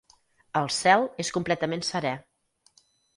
El cel és completament serè.